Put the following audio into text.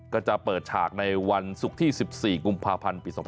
ก็จะเปิดฉากในวันศุกร์ที่๑๔กุมภาพันธ์ปี๒๕๖